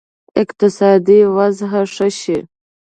اقتصادي وضع ښه شي.